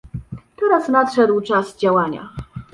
Teraz nadszedł czas działania